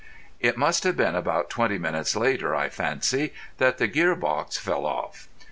It must have been about twenty minutes later, I fancy, that the gear box fell off.